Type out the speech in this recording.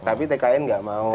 tapi tkn enggak mau